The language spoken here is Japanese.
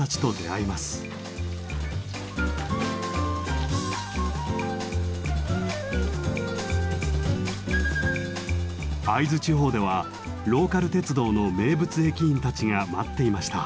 会津地方ではローカル鉄道の名物駅員たちが待っていました。